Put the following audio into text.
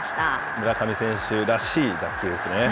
村上選手らしい打球ですね。